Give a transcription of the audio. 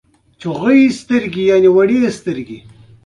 بېنډۍ د کورني اقتصاد مرسته کوي